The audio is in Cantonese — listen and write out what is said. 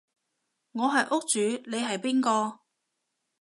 我係屋主你係邊個？